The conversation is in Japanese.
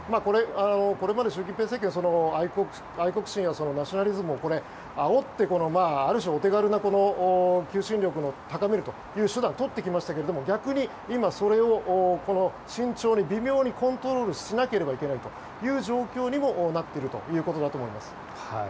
これまで習近平政権愛国心やナショナリズムをあおってある種、お手軽な求心力を高めるという手段を取ってきましたが逆に今、それを慎重に微妙にコントロールしなければいけない状況にもなっていると思います。